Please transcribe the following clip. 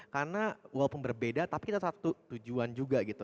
karena walaupun berbeda tapi kita satu tujuan juga gitu